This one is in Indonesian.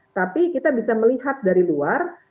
tapi kita bisa melihat dari luar